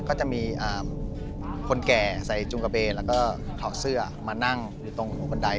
ก็จะมีคนแก่ใส่จุงกระเบนแล้วก็ถอดเสื้อมานั่งอยู่ตรงบันได